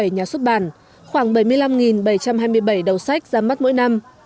bảy mươi nhà xuất bản khoảng bảy mươi năm bảy trăm hai mươi bảy đầu sách ra mắt mỗi năm